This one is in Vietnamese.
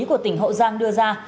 của tỉnh hậu giang đưa ra